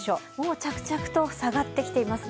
着々と塞がってきてますね。